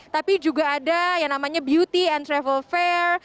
tapi juga ada yang namanya beauty and travel fair